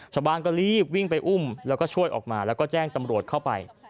ชาวบ้านก็รีบวิ่งไปอุ้มแล้วก็ช่วยออกมาแล้วก็แจ้งตำรวจเข้าไป